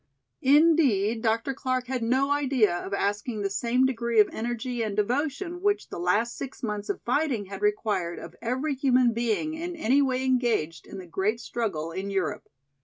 Indeed Dr. Clark had no idea of asking the same degree of energy and devotion which the last six months of fighting had required of every human being in any way engaged in the great struggle in Europe.